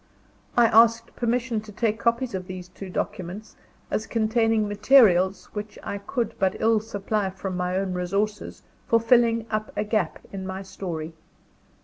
I asked permission to take copies of these two documents, as containing materials, which I could but ill supply from my own resources, for filling up a gap in my story.